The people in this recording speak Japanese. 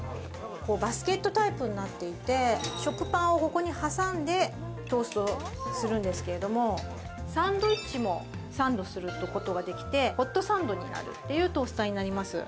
バスケットタイプになっていて食パンをここに挟んでトーストするんですけれどもサンドイッチもサンドすることができてホットサンドになるトースターになります。